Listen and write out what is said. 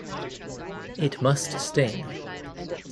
It must sting.